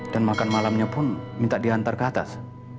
dan makan malamnya pun minta diantar ke atas